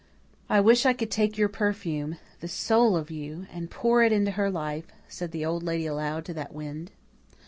"I wish I could take your perfume the soul of you and pour it into her life," said the Old Lady aloud to that wind.